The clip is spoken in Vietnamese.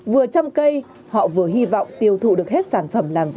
vừa trăm cây họ vừa hy vọng tiêu thụ được hết sản phẩm làm ra